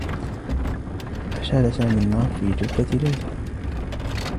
أشعل سامي النّار في جثّة ليلى.